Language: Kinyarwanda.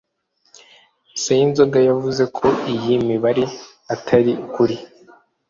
Sayinzoga yavuze ko iyi mibare atari ukuri